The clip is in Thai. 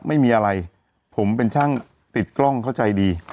ไม่มีอะไรผมเป็นช่างติดกล้องเข้าใจดี